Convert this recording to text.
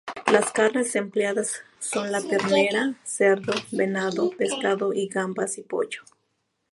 Las carnes empleadas son la ternera, cerdo, venado, pescado, gambas y pollo.